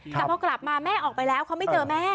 แต่พอกลับมาแม่ออกไปแล้วเขาไม่เจอแม่